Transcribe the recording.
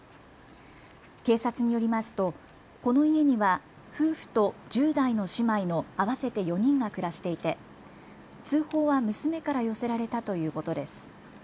警察によりますと、この家には夫婦と１０代の姉妹の合わせて４人が暮らしていて通報は娘から寄せられたということです。